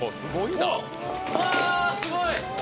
わすごい！